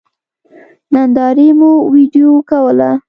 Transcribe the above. نندارې مو وېډيو کوله.